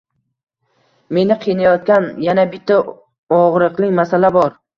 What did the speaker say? Meni qiynayotgan yana bitta og`riqli masala bor